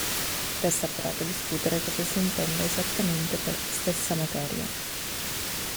Resta però da discutere cosa si intenda esattamente per "stessa materia".